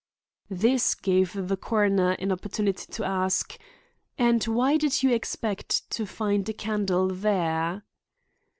This gave the coroner an opportunity to ask: "And why did you expect to find a candle there?"